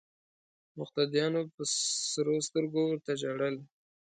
مقتدیانو په سرو سترګو ورته ژړل.